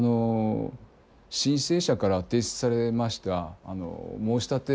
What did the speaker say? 申請者から提出されました申し立てですよね。